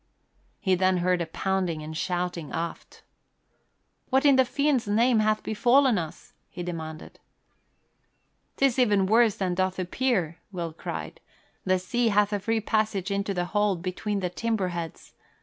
He then heard a pounding and shouting aft. "What in the fiend's name hath befallen us?" he demanded. "'Tis even worse than doth appear," Will cried. "The sea hath a free passage into the hold between the timber heads.